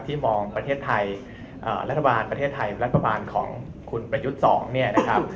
มองประเทศไทยรัฐบาลประเทศไทยรัฐบาลของคุณประยุทธ์๒เนี่ยนะครับ